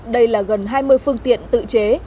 đây là gần hai mươi phương tiện tự chế